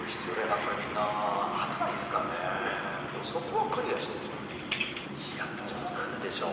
やっぱりみんな頭いいですからねでもそこはクリアしてるじゃないいやどうなんでしょう